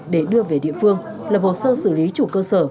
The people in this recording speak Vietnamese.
để đưa về địa phương là bộ sơ xử lý chủ cơ sở